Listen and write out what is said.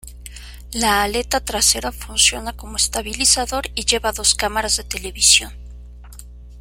La aleta trasera funciona como estabilizador y lleva dos cámaras de televisión.